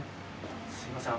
すみません